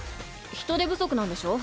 人手不足なんでしょ？